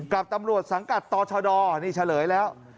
กับตำรวจสังกัดต่อชดนี่เฉลยแล้ว